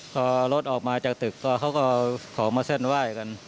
พอรถออกมาจากตึกก็เขาก็เอาของมาเส้นไหว้กัน